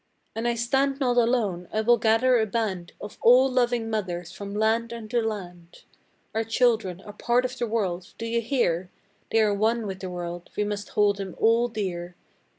And I stand not alone. I will gather a band Of all loving mothers from land unto land. Our children are part of the world! Do ye hear? They are one with the world we must hold them all dear!